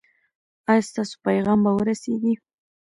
ایا ستاسو پیغام به ورسیږي؟